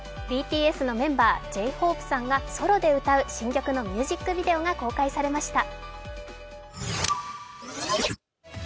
ＢＴＳのメンバーＪ−ＨＯＰＥさんがソロで歌う新曲のミュージックビデオが公開されました。